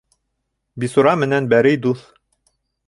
Бисура менән бәрей дуҫ.